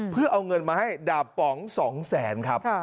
เพื่อเอาเงินมาให้ดาบป๋อง๒แสนครับ